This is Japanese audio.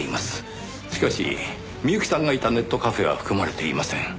しかし美由紀さんがいたネットカフェは含まれていません。